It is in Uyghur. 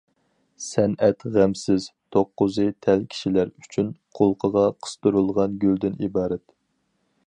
سەنئەت غەمسىز، توققۇزى تەل كىشىلەر ئۈچۈن قولقىغا قىستۇرۇلغان گۈلدىن ئىبارەت.